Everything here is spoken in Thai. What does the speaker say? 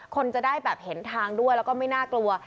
คนจะได้แบบเห็นทางด้วยแล้วก็ไม่น่ากลัว